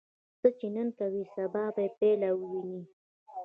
څه چې نن کوې، سبا به یې پایله ووینې.